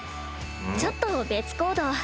ちょっと別行動。